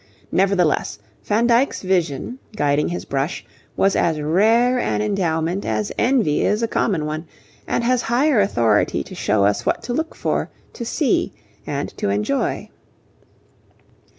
Nevertheless, Van Dyck's vision, guiding his brush, was as rare an endowment as envy is a common one, and has higher authority to show us what to look for, to see, and to enjoy.